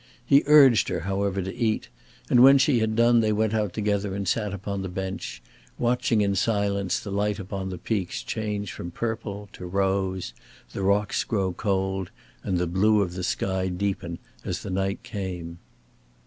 He urged her, however, to eat, and when she had done they went out together and sat upon the bench, watching in silence the light upon the peaks change from purple to rose, the rocks grow cold, and the blue of the sky deepen as the night came.